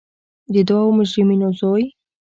د دوو مجرمینو زوی.